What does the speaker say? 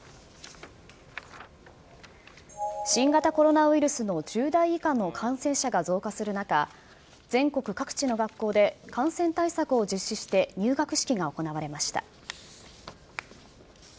新型コロナウイルスの１０代以下の感染者が増加する中全国各地の学校で感染対策を実施して入学式が行われました。